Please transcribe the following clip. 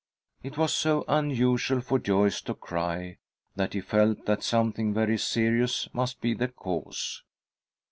It was so unusual for Joyce to cry that he felt that something very serious must be the cause.